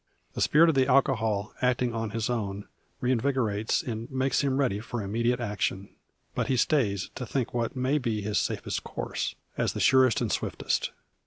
The spirit of the alcohol, acting on his own, reinvigorates, and makes him ready for immediate action. He but stays to think what may be his safest course, as the surest and swiftest.